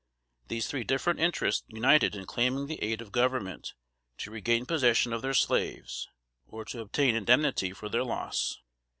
These three different interests united in claiming the aid of government to regain possession of their slaves, or to obtain indemnity for their loss.